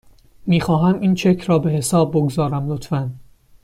میخواهم این چک را به حساب بگذارم، لطفاً.